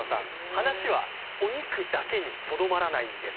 話はお肉だけにとどまらないんです。